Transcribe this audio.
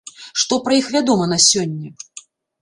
Што пра іх вядома на сёння?